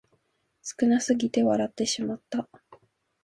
少なすぎて笑ってしまった